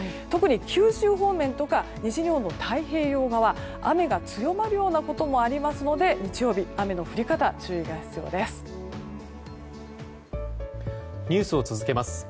特に九州方面や西日本の太平洋側は雨が強まるようなこともありますので日曜日、雨の降り方に注意が必要です。